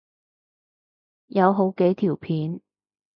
有好幾條片